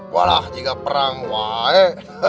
walah jika perang woy